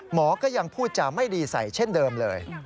หมอก็ยังพูดจาไม่ดีใส่เช่นเดิมเลย